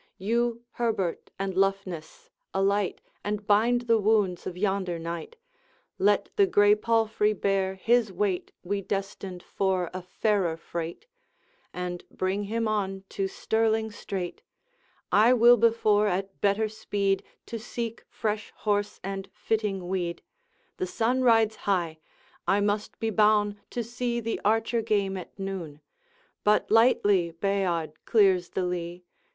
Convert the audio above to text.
You, Herbert and Luffness, alight And bind the wounds of yonder knight; Let the gray palfrey bear his weight, We destined for a fairer freight, And bring him on to Stirling straight; I will before at better speed, To seek fresh horse and fitting weed. The sun rides high; I must be boune To see the archer game at noon; But lightly Bayard clears the lea.